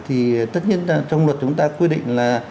thì tất nhiên trong luật chúng ta quy định là